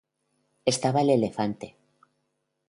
Estaba el Elefante